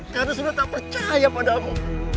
karena sudah tak percaya padamu